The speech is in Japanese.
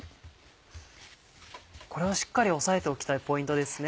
これはしっかり押さえておきたいポイントですね。